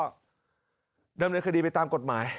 เริ่มเรียกคดีไปตามกฎหมาย